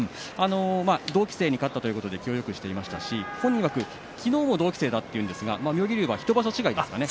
同期生に勝ったということで気をよくしていましたし本人は昨日も同期生だったんですが妙義龍は１場所違いですかね